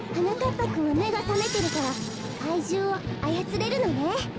ぱくんはめがさめてるからかいじゅうをあやつれるのね。